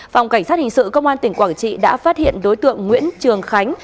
phòng cảnh sát hình sự công an tỉnh quảng trị đã phát hiện đối tượng nguyễn trường khánh